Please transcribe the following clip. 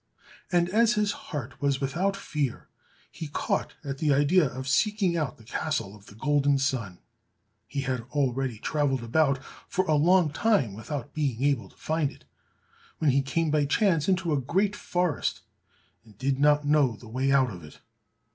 And as his heart was without fear, he caught at the idea of seeking out the Castle of the Golden Sun. He had already travelled about for a long time without being able to find it, when he came by chance into a great forest, and did not know the way out of it.